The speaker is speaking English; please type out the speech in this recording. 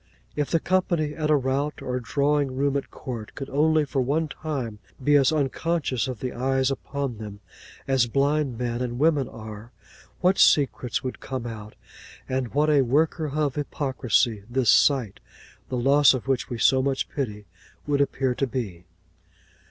If the company at a rout, or drawing room at court, could only for one time be as unconscious of the eyes upon them as blind men and women are, what secrets would come out, and what a worker of hypocrisy this sight, the loss of which we so much pity, would appear to be!